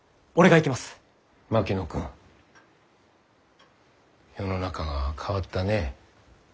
槙野君世の中が変わったねえ。